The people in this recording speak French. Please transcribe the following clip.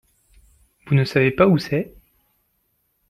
Vous ne savez pas où c’est ?